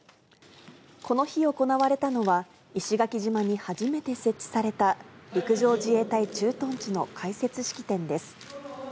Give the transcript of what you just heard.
この日行われたのは、石垣島に初めて設置された陸上自衛隊駐屯地の開設式典です。